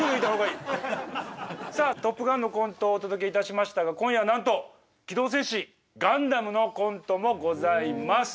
さあ「トップガン」のコントをお届けいたしましたが今夜はなんと「機動戦士ガンダム」のコントもございます。